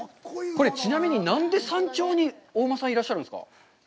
これ、ちなみに、なんで山頂にお馬さんがいらっしゃるんですか。